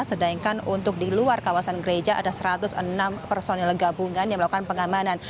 sedangkan untuk di luar kawasan gereja ada satu ratus enam personil gabungan yang melakukan pengamanan